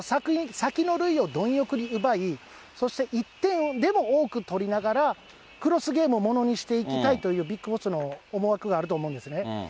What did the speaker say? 先の塁を貪欲に奪い、そして１点でも多く取りながら、クロスゲームをものにしていきたいという、ビッグボスの思惑があると思うんですね。